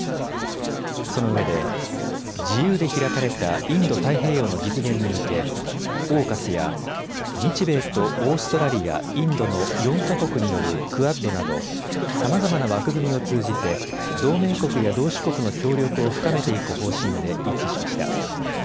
そのうえで自由で開かれたインド太平洋の実現に向けＡＵＫＵＳや、日米とオーストラリア、インドの４か国によるクアッドなどさまざまな枠組みを通じて同盟国や同志国の協力を深めていく方針で一致しました。